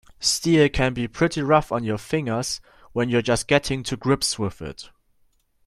Steel can be pretty rough on your fingers when you're just getting to grips with it.